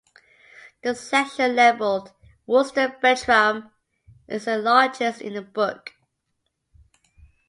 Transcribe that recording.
The section labelled "Wooster, Bertram" is the largest in the book.